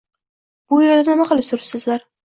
Bu yerda nima qilib turibsizlar?